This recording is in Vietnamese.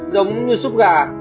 giống như súp gà